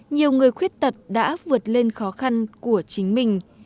nhiều người khuyết tật đã vượt lên khó khăn của chính mình